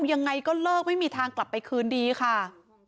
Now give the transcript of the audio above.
ยังไงก็เลิกไม่มีทางกลับไปคืนดีค่ะ